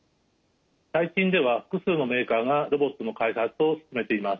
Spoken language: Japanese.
最近では複数のメーカーがロボットの開発を進めています。